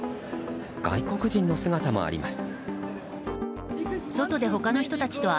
外国人の姿もあります。